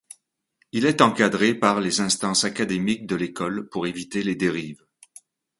Il est encadré par les instances académiques de l'école pour éviter les dérives.